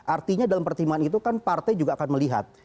artinya dalam pertimbangan itu kan partai juga akan melihat